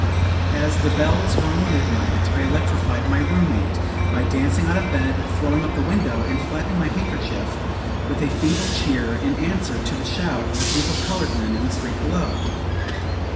As the bells rung midnight, I electrified my room mate by dancing out of bed, throwing up the window, and flapping my handkerchief, with a feeble cheer, in answer to the shout of a group of colored men in the street below.